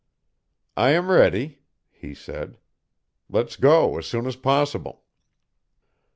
"I am ready," he said. "Let's go as soon as possible."